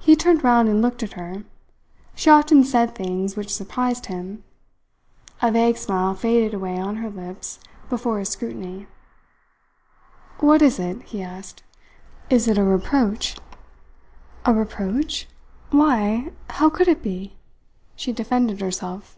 He turned round and looked at her. She often said things which surprised him. A vague smile faded away on her lips before his scrutiny. "What is it?" he asked. "Is it a reproach?" "A reproach! Why, how could it be?" she defended herself.